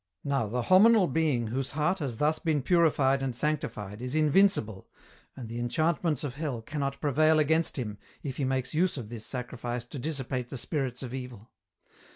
Now, the hominal being whose heart has thus been purified and sanctified is invincible, and the enchantments of hell cannot prevail against him if he makes use of this sacrifice to dissipate the Spirits of Evil.